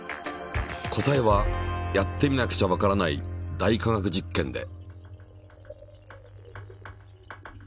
答えはやってみなくちゃわからない「大科学実験」で。